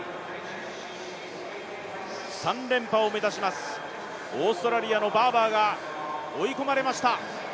３連覇を目指します、オーストラリアのバーバーが追い込まれました。